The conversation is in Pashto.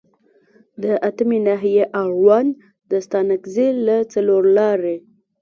د اتمې ناحیې اړوند د ستانکزي له څلورلارې